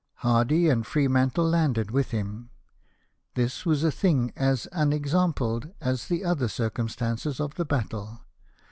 Hardy and Freemantle landed with him. This was a thing as unexampled as the other circumstances of the battle.